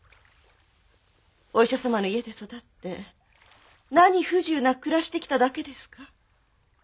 お医者様の家で育って何不自由なく暮らしてきただけですか。